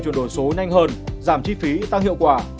chuyển đổi số nhanh hơn giảm chi phí tăng hiệu quả